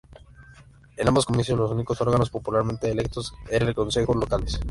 En ambos comicios, los únicos órganos popularmente electos eran los concejos locales.